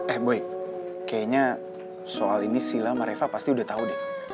eh boy kayaknya soal ini sila sama reva pasti udah tau deh